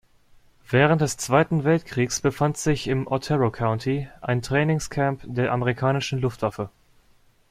Während des Zweiten Weltkriegs befand sich im Otero County ein Trainingscamp der amerikanischen Luftwaffe.